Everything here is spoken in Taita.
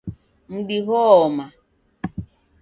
Mdi gho-oma